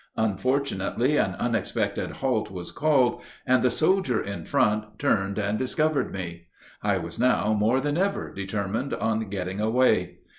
Unfortunately an unexpected halt was called, and the soldier in front turned and discovered me. I was now more than ever determined on getting away.